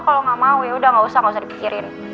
kalo gak mau yaudah gak usah gak usah dikirin